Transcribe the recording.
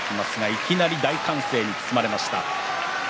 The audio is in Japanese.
いきなり大歓声に包まれました。